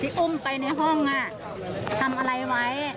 อุ้มไปในห้องทำอะไรไว้